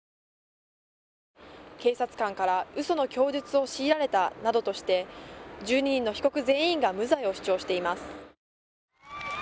警察官から、うその供述を強いられたなどとして１２人の被告全員が無罪を主張しています。